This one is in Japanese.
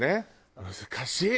難しい！